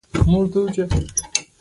ترجمان راته ترجمه کولې.